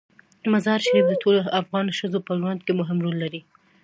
مزارشریف د ټولو افغان ښځو په ژوند کې مهم رول لري.